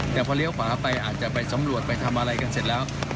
แต่พอเลี้ยวขวาไปอาจจะไปสำรวจไปทำอะไรกันเสร็จแล้ว